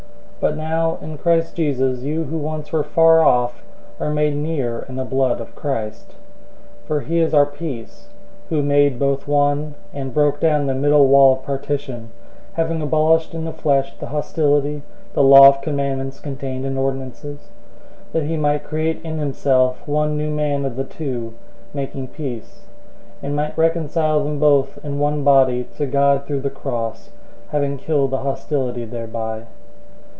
002:013 But now in Christ Jesus you who once were far off are made near in the blood of Christ. 002:014 For he is our peace, who made both one, and broke down the middle wall of partition, 002:015 having abolished in the flesh the hostility, the law of commandments contained in ordinances, that he might create in himself one new man of the two, making peace; 002:016 and might reconcile them both in one body to God through the cross, having killed the hostility thereby.